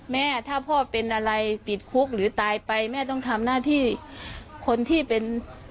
แม่ถ้าพ่อเป็นอะไรติดคุกหรือตายไปแม่ต้องทำหน้าที่คนที่เป็น